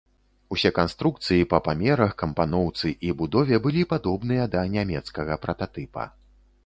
Усе канструкцыі па памерах, кампаноўцы і будове былі падобныя да нямецкага прататыпа.